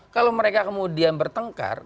kalau mereka kemudian bertengkar